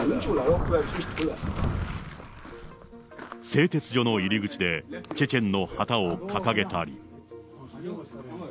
製鉄所の入り口で、チェチェンの旗を掲げたり。